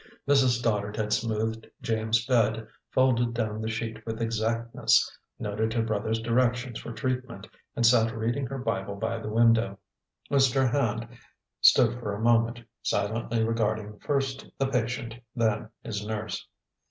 Mrs. Stoddard had smoothed James's bed, folded down the sheet with exactness, noted her brother's directions for treatment, and sat reading her Bible by the window. Mr. Hand stood for a moment, silently regarding first the patient, then his nurse.